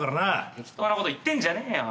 適当なこと言ってんじゃねえよ。